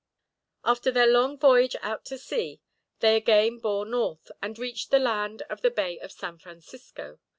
After their long voyage out to sea they again bore north, and reached the land at the Bay of San Francisco.